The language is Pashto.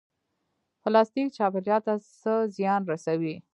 پلاستیک چاپیریال ته څه زیان رسوي؟